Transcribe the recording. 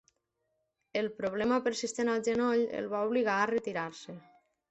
El problema persistent al genoll el va obligar a retirar-se.